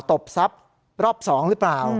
ตบทรัพย์รอบ๒หรือเปล่า